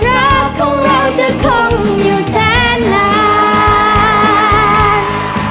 รักของเราจะคงอยู่แสนนาน